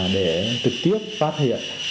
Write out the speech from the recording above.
để trực tiếp phát hiện